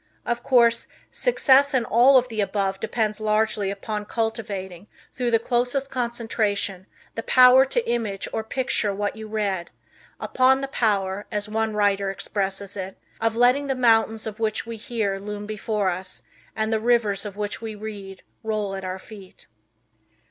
Of course, success in all of the above depends largely upon cultivating, through the closest concentration, the power to image or picture what you read; upon the power, as one writer expresses it, of letting the mountains of which we hear loom before us and the rivers of which we read roll at our feet.